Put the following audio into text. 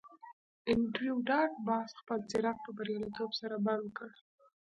انډریو ډاټ باس خپل څراغ په بریالیتوب سره بند کړ